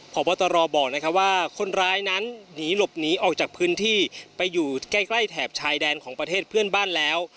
พบตรบอกว่าคนร้ายนั้นหนีหลบหนีออกจากพื้นที่ไปอยู่ใกล้แถบชายแดนของประเทศเพื่อนบ้านแล้ว